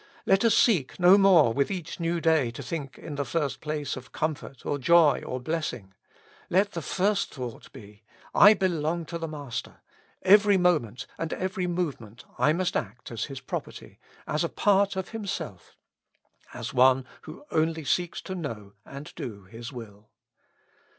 Let us seek no more with each new day to think in the first place of comfort, or joy, or bless ing. Let the first thought be : I belong to the Master^ Every moment and every movement I must act as His property, as a part of Himself, as one who only seeks to know and do His will.